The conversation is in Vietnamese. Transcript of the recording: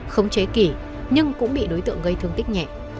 không chế ki nhưng cũng bị đối tượng gây thương tích nhẹ